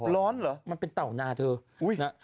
ร้อนเหรอมันเป็นเต่านาเธอ